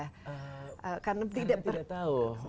karena tidak tahu